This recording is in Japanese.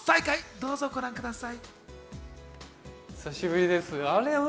どうぞご覧ください。